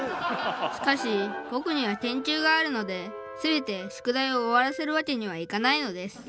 しかしぼくには研究があるのですべて宿題をおわらせるわけにはいかないのです。